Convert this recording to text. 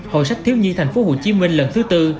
hội sách thiếu nhi tp hcm lần thứ tư